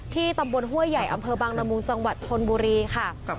ตำบลห้วยใหญ่อำเภอบางละมุงจังหวัดชนบุรีค่ะ